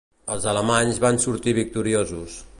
Els alemanys van sortir victoriosos.